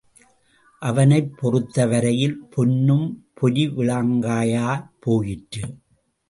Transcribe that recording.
அவனைப் பொறுத்தவரையில் பொன்னும் பொரிவிளங்காயாய்ப் போயிற்று.